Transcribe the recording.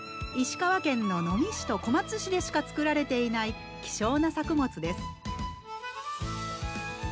石川県の能美市と小松市でしか作られていない希少な作物です。